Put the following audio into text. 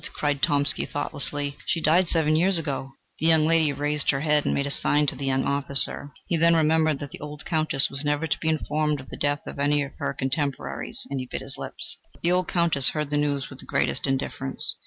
cried Tomsky thoughtlessly; "she died seven years ago." The young lady raised her head and made a sign to the young officer. He then remembered that the old Countess was never to be informed of the death of any of her contemporaries, and he bit his lips. But the old Countess heard the news with the greatest indifference.